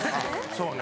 そうね